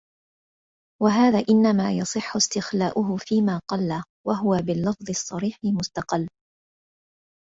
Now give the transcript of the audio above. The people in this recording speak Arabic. وَهَذَا إنَّمَا يَصِحُّ اسْتِحْلَاؤُهُ فِيمَا قَلَّ وَهُوَ بِاللَّفْظِ الصَّرِيحِ مُسْتَقَلٌّ